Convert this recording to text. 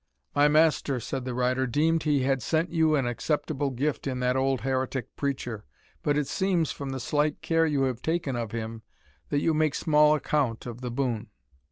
"My master," said the rider, "deemed he had sent you an acceptable gift in that old heretic preacher; but it seems, from the slight care you have taken of him, that you make small account of the boon."